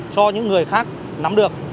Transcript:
cho những người khác nắm được